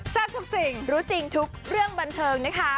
ทุกสิ่งรู้จริงทุกเรื่องบันเทิงนะคะ